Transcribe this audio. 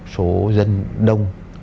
số dân đông